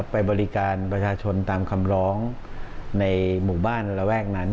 ไปบริการประชาชนตามคำร้องในหมู่บ้านระแวกนั้น